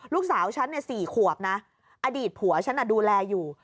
ลูกสาวฉัน๔ขวบนะอดีตผัวฉันดูแลอยู่